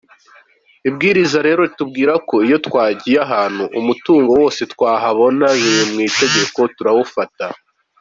Ibwiriza rero ritubwira ko iyo twagiye ahantu, umutungo wose twahabona biri mu itegeko turawufata.